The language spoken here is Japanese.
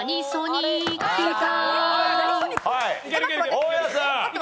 大家さん。